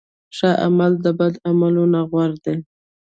ښه عمل د بد عمل نه غوره دی.